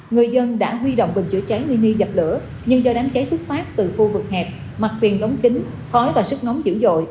người dân đã huy động bình chữa cháy mini dập lửa nhưng do đám cháy xuất phát từ khu vực hẹp mặt tiền lống kính khói và sức ngón dữ dội